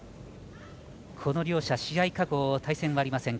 この両者、試合過去、対戦はありません。